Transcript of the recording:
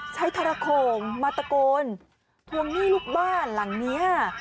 ทรโข่งมาตะโกนทวงหนี้ลูกบ้านหลังนี้